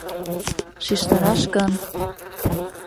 — Шижтараш гын?